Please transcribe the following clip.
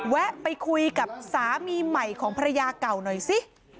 แวะไปคุยกับสามีใหม่ของภรรยาเก่าหน่อยสิ